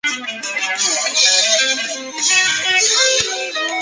本属中的物种之一甜叶菊因其叶子生产甜菊糖而广为栽种。